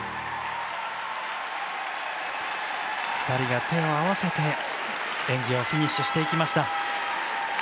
２人が手を合わせて演技をフィニッシュしていきました。